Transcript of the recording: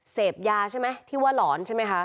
เสพยาใช่ไหมที่ว่าหลอนใช่ไหมคะ